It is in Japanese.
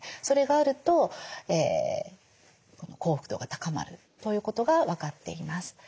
それがあると幸福度が高まるということが分かっています。